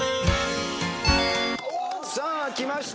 さあきました